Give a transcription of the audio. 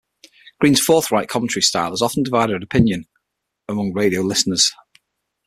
Green's forthright commentary style has often divided opinion among radio listeners.